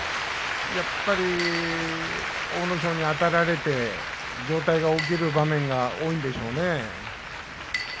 やっぱり阿武咲にあたられて上体が起きる場面が多いんでしょうね。